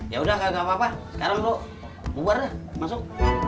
ya udah gak apa apa sekarang tuh bubar deh masuk